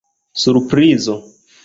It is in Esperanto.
Surprizo.